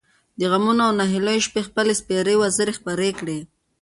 د غمـونـو او نهـيليو شـپې خپـلې سپـېرې وزرې خـورې کـړې.